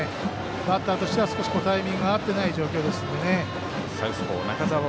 バッターとしてはタイミングが合っていない状況ですので。